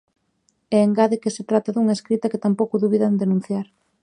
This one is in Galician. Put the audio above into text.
E, engade, que se trata dunha escrita que tampouco dubida en denunciar.